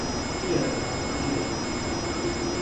呢樣我又知喎